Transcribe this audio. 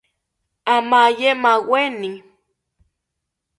Amaye maweni